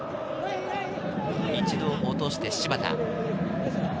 一度、落として芝田。